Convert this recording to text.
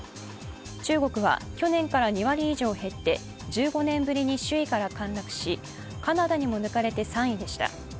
中国は去年から２割以上減って、１５年ぶりに首位から陥落し、カナダにも抜かれて３位でした。